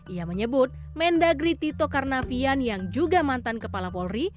ia menyebut mendagri tito karnavian yang juga mantan kepala polri